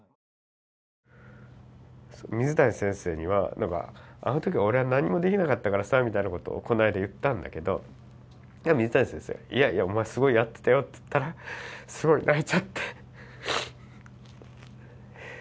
水谷先生には「あのとき俺はなんにもできなかったからさ」みたいなことをこの間言ったんだけど水谷先生「いやいやお前はすごくやってたよ」って言ったらすごく泣いちゃって。